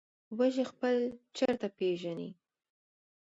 وزې خپل چرته پېژني